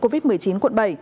covid một mươi chín quận bảy